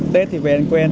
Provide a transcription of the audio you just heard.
tết thì quen quen